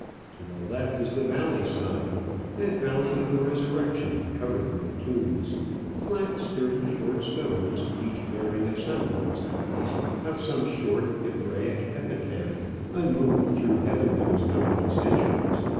To the left is the valley side that valley of the Resurrection covered with tombs flat, sturdy, short stones, each bearing a semblance, at least, of some short Hebraic epitaph, unmoved through heaven knows how many centuries!